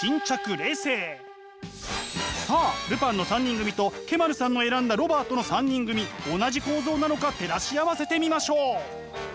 さあ「ルパン」の三人組とＫ−ｍａｒｕさんの選んだロバートの三人組同じ構造なのか照らし合わせてみましょう。